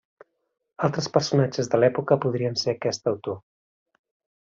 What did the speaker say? Altres personatges de l'època podrien ser aquest autor.